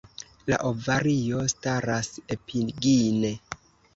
La ovario staras epigine.